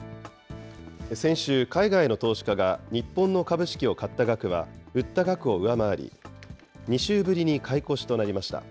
先週、海外の投資家が日本の株式を買った額は売った額を上回り、２週ぶりに買い越しとなりました。